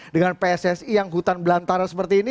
dengan pssi yang hutan belantara seperti ini